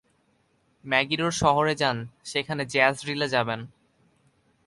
ম্যাগিডোর শহরে যান, সেখানে জ্যাযরিলে যাবেন।